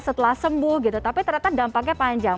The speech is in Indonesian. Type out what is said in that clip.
setelah sembuh gitu tapi ternyata dampaknya panjang